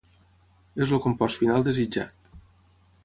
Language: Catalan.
És el compost final desitjat.